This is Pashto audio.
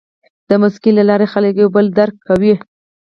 د موسیقۍ له لارې خلک یو بل درک کوي.